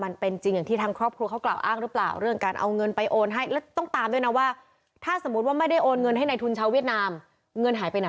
เงื่อนหายไปไหน